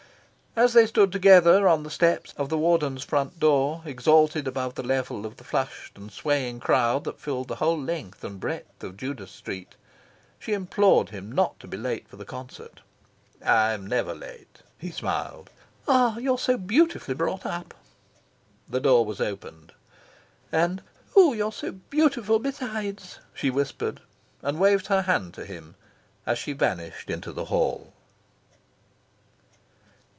As they stood together on the steps of the Warden's front door, exalted above the level of the flushed and swaying crowd that filled the whole length and breadth of Judas Street, she implored him not to be late for the concert. "I am never late," he smiled. "Ah, you're so beautifully brought up!" The door was opened. "And oh, you're beautiful besides!" she whispered; and waved her hand to him as she vanished into the hall.